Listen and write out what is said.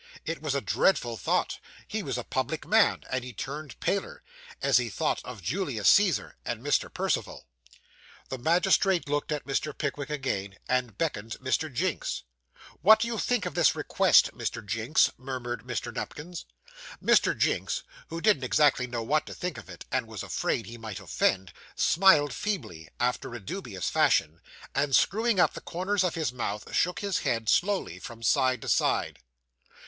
It was a dreadful thought. He was a public man; and he turned paler, as he thought of Julius Caesar and Mr. Perceval. The magistrate looked at Mr. Pickwick again, and beckoned Mr. Jinks. 'What do you think of this request, Mr. Jinks?' murmured Mr. Nupkins. Mr. Jinks, who didn't exactly know what to think of it, and was afraid he might offend, smiled feebly, after a dubious fashion, and, screwing up the corners of his mouth, shook his head slowly from side to side.